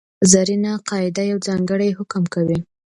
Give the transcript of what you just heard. زرینه قاعده یو ځانګړی حکم کوي.